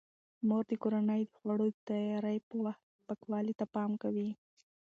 مور د کورنۍ د خوړو د تیاري په وخت پاکوالي ته پام کوي.